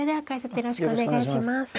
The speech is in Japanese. よろしくお願いします。